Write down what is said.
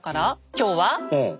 今日は？